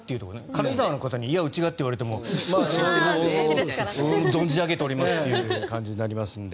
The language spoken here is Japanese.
軽井沢の方にいや、うちがと言われても存じ上げておりますっていう感じになりますので。